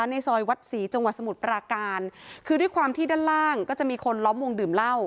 ในซอยวัดศรีจังหวัดสมุทรปราการคือด้วยความที่ด้านล่างก็จะมีคนล้อมวงดื่มเหล้า